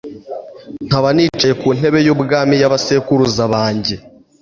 nkaba nicaye ku ntebe y'ubwami y'abasekuruza banjye